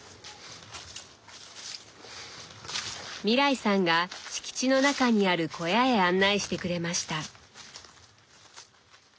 未來さんが敷地の中にある小屋へ案内してくれました。